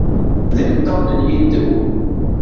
D imeṭṭawen n yiddew.